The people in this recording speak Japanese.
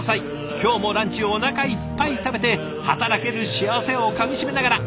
今日もランチをおなかいっぱい食べて働ける幸せをかみしめながら。